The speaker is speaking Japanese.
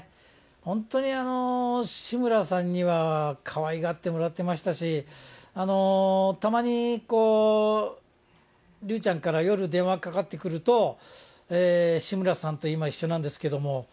本当に、志村さんにはかわいがってもらってましたし、たまに竜ちゃんから夜電話かかってくると、志村さんと今一緒なんですけれども、